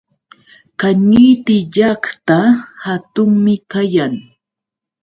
Kañiti llaqta hatunmi kayan.